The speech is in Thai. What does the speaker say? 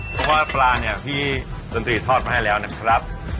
เพราะว่าปลาเนี่ยพี่ดนตรีทอดมาให้แล้วนะครับ